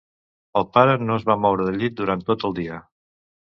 El pare no es va moure del llit durant tot el dia.